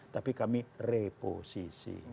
tapi kami reposisikan